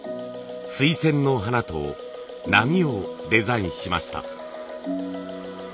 水仙の花と波をデザインしました。